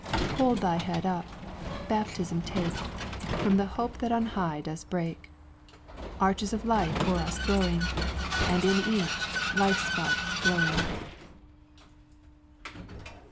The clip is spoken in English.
"Hold thy head up; baptism take, From the hope that on high does break, Arches of light o'er us throwing, And in each life spark glowing."